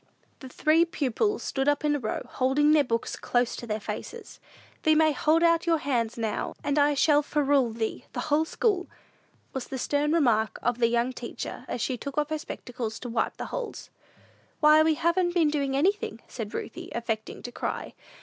The three pupils stood up in a row, holding their books close to their faces. "Thee may hold out your hands now, and I shall ferule thee the whole school," was the stern remark of the young teacher, as she took off her spectacles to wipe the holes. "Why, we haven't been doing anything," said Ruthie, affecting to cry.